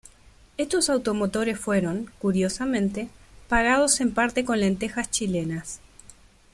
Estos automotores fueron, curiosamente, pagados en parte con lentejas chilenas.